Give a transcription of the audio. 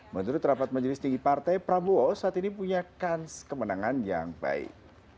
menurut rapat majelis tinggi partai prabowo saat ini punya kans kemenangan yang baik